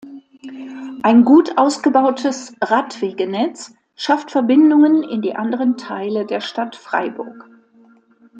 Ein gut ausgebautes Radwegenetz schafft Verbindungen in die anderen Teile der Stadt Freiburg.